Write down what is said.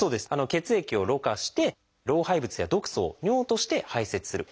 血液をろ過して老廃物や毒素を尿として排泄する。